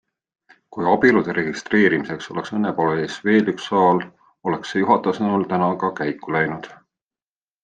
Kui abielude registreerimiseks oleks Õnnepalees veel üks saal, oleks see juhataja sõnul täna ka käiku läinud.